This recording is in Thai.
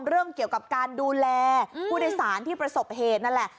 เรื่องเกี่ยวกับการดูแลผู้โดยสารที่ประสบเหตุนั่นแหละ